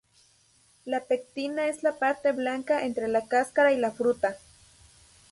La pectina es la parte blanca entre la cáscara y la fruta.